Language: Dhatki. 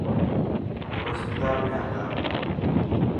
او هسپتال ۾ هتا.